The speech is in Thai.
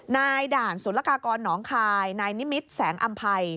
นายด่านสุรกากรหนองคายนายนิมิตรแสงอำภัย